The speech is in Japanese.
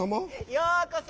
ようこそ！